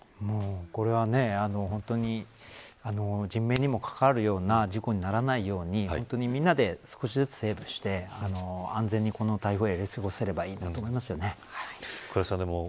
これは本当に人命にも関わるような事故にならないように皆で、少しずつセーブして安全にこの台風をやり過ごせればいいなと思いますよね。